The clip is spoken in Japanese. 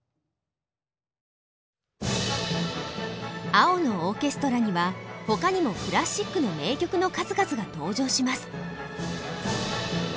「青のオーケストラ」には他にもクラシックの名曲の数々が登場します。